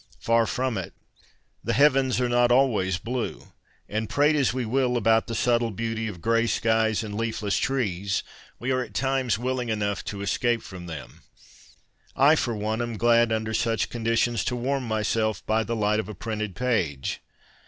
Far from it ! The heavens are not always blue. And prate as we will about the subtle beauty of grey skies and leafless trees, we are at times willing enough to escape from them. I, for one, am glad under such conditions to warm myself by the light of a printed page.